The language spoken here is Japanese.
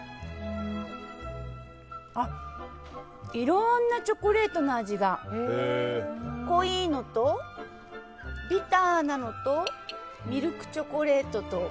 いろんなチョコレートの味が濃いのと、ビターなのとミルクチョコレートと。